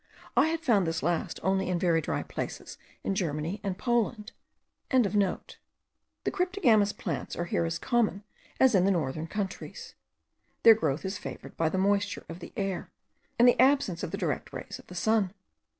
I had found this last only in very dry places in Germany and Poland.) The cryptogamous plants are here as common as in northern countries. Their growth is favoured by the moisture of the air, and the absence of the direct rays of the sun.